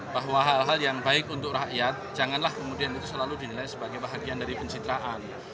bahwa hal hal yang baik untuk rakyat janganlah kemudian itu selalu dinilai sebagai bahagian dari pencitraan